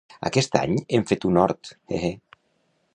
Aquest any hem fet un hort, hehe.